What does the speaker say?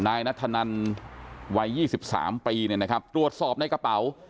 นายนัทธนันวัย๒๓ปีเนี่ยนะครับตรวจสอบในกระเป๋า